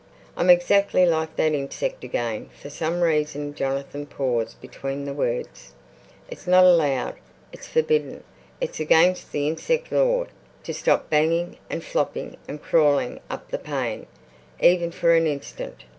"I'm exactly like that insect again. For some reason"—Jonathan paused between the words—"it's not allowed, it's forbidden, it's against the insect law, to stop banging and flopping and crawling up the pane even for an instant.